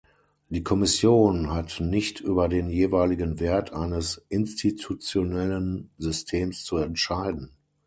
Die Kommission hat nicht über den jeweiligen Wert eines institutionellen Systems zu entscheiden.